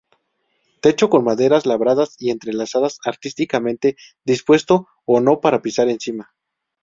Techo con maderas labradas y entrelazadas artísticamente, dispuesto o no para pisar encima.